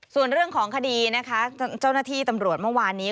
ส่วนเรื่องของคดีนะคะเจ้าหน้าที่ตำรวจเมื่อวานนี้